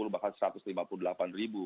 bahkan satu ratus lima puluh delapan ribu